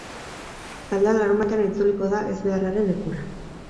Taldea larunbatean itzuliko da ezbeharraren lekura.